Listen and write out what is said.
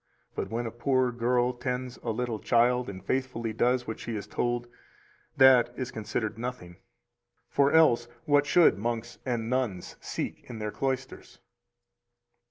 But when a poor girl tends a little child and faithfully does what she is told, that is considered nothing; for else what should monks and nuns seek in their cloisters?